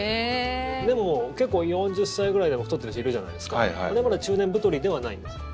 でも、４０歳くらいでも太っている人いるじゃないですかあれはまだ中年太りではないんですか？